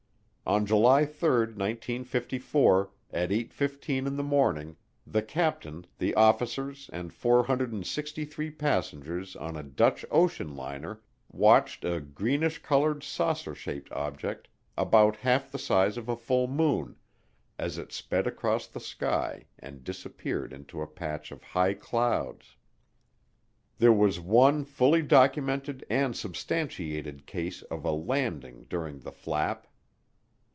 On July 3, 1954, at eight fifteen in the morning, the captain, the officers and 463 passengers on a Dutch ocean liner watched a "greenish colored, saucer shaped object about half the size of a full moon" as it sped across the sky and disappeared into a patch of high clouds. There was one fully documented and substantiated case of a "landing" during the flap.